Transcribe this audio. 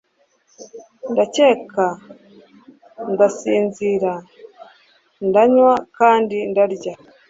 Ndaseka ndasinzira ndanywa kandi ndarya